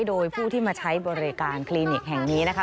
โดยผู้ที่มาใช้บริการคลินิกแห่งนี้นะคะ